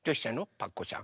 パクこさん。